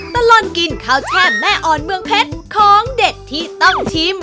ตลอดกินข้าวแช่แม่อ่อนเมืองเพชรของเด็ดที่ต้องชิม